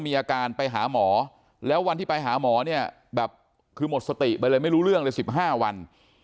มีอาการไปหาหมอแล้ววันที่ไปหาหมอเนี่ยแบบคือหมดสติไปเลยไม่รู้เรื่องเลย๑๕วัน